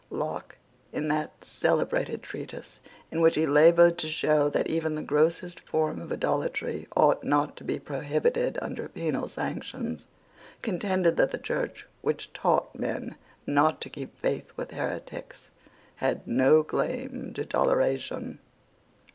Locke, in the celebrated treatise in which he laboured to show that even the grossest forms of idolatry ought not to be prohibited under penal sanctions, contended that the Church which taught men not to keep faith with heretics had no claim to toleration.